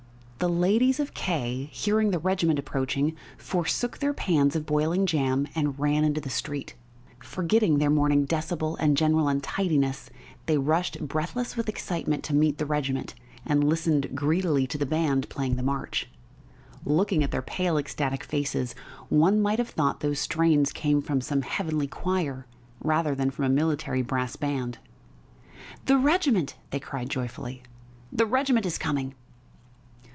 The ladies of K , hearing the regiment approaching, forsook their pans of boiling jam and ran into the street. Forgetting their morning deshabille and general untidiness, they rushed breathless with excitement to meet the regiment, and listened greedily to the band playing the march. Looking at their pale, ecstatic faces, one might have thought those strains came from some heavenly choir rather than from a military brass band. "The regiment!" they cried joyfully. "The regiment is coming!"